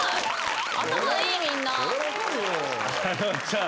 頭いいみんな。